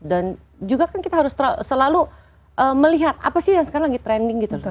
dan juga kan kita harus selalu melihat apa sih yang sekarang lagi trending gitu